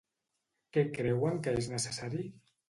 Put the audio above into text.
Què creuen que és necessari?